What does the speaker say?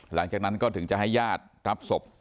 หลังจากนั้นก็ถึงจะให้ญาติรับศพ